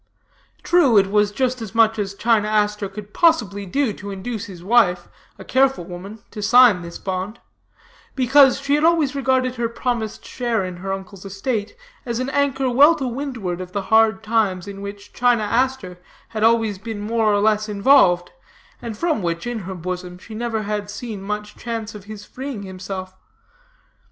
True, it was just as much as China Aster could possibly do to induce his wife, a careful woman, to sign this bond; because she had always regarded her promised share in her uncle's estate as an anchor well to windward of the hard times in which China Aster had always been more or less involved, and from which, in her bosom, she never had seen much chance of his freeing himself.